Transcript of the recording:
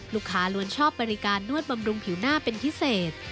ล้วนชอบบริการนวดบำรุงผิวหน้าเป็นพิเศษ